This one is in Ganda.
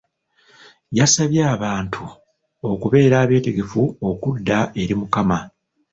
Yasabye abantu okubeera abeetegefu okudda eri Omukama